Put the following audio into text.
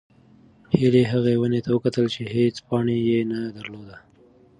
هیلې هغې ونې ته وکتل چې هېڅ پاڼه یې نه درلوده.